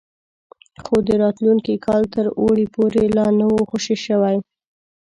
خو د راتلونکي کال تر اوړي پورې لا نه وو خوشي شوي.